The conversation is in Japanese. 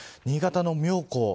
新潟の妙高。